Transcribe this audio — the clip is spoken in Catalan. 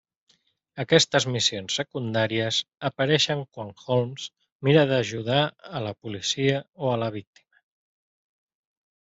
Aquestes missions secundàries apareixen quan Holmes mira d'ajudar a la policia o a la víctima.